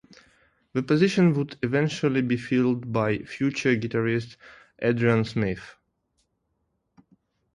The position would eventually be filled by future guitarist Adrian Smith.